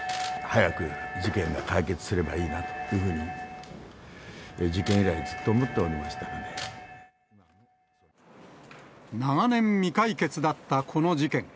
早く事件が解決すればいいなというふうに、事件以来、ずっと思っ長年、未解決だったこの事件。